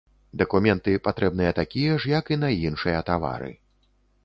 Дакументы патрэбныя такія ж, як і на іншыя тавары.